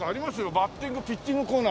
バッティングピッチングコーナー。